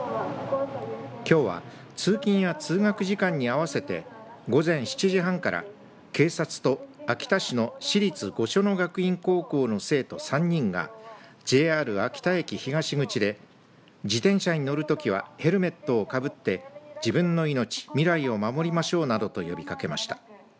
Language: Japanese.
きょうは通勤や通学時間に合わせて午前７時半から警察と秋田市の市立御所野学院高校の生徒３人がＪＲ秋田駅東口で自転車に乗るときはヘルメットをかぶって自分の命、未来を守りましょうなどと呼びかけました。